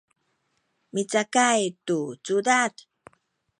micakay tu cudad